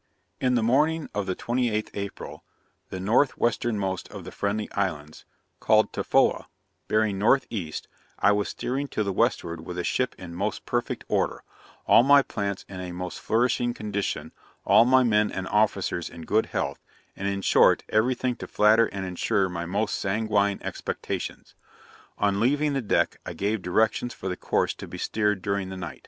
'In the morning of the 28th April, the north westernmost of the Friendly Islands, called Tofoa, bearing north east, I was steering to the westward with a ship in most perfect order, all my plants in a most flourishing condition, all my men and officers in good health, and in short, everything to flatter and insure my most sanguine expectations. On leaving the deck I gave directions for the course to be steered during the night.